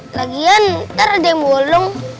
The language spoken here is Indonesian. lagian ntar ada yang bolong